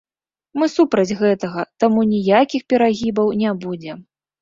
Мы супраць гэтага, таму ніякіх перагібаў не будзе.